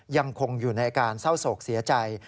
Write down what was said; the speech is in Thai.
ยังคงอยู่ในอาการเศร้าโศกเสียใจ